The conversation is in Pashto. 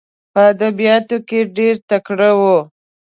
په ادبیاتو کې ډېر تکړه وو.